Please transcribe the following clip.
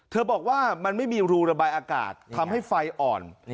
บอกว่ามันไม่มีรูระบายอากาศทำให้ไฟอ่อน